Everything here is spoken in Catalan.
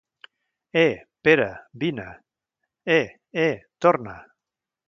Eh, Pere, vine! Eh, eh, torna!